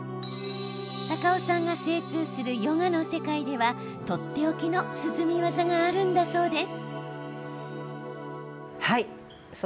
高尾さんが精通するヨガの世界ではとっておきの涼み技があるんだそうです。